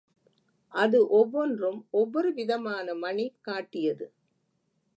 அது ஒவ்வொன்றும் ஒவ்வொரு விதமான மணி காட்டியது.